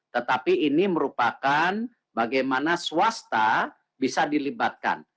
tetapi ini merupakan bagaimana swasta bisa dilibatkan